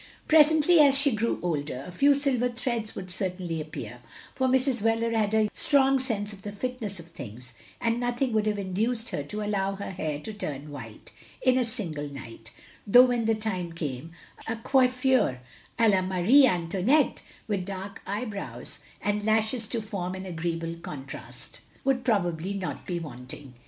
Presently, as she grew older, a few silver threads would certainly appear, for Mrs. Wheler had a strong sense of the fitness of things; and nothing wotild have induced her to allow her hair to turn white, "in a single night," though when the time came, a coiffure h la Marie Antoinette, with dark eye brows and lashes to form an agreeable contrast wotild probably not be wanting.